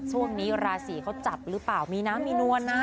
ส่วนดินราศีเค้าจับรึเปล่ามีน้ำมีนัวนะ